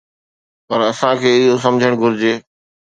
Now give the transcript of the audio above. پر اسان کي اهو سمجهڻ گهرجي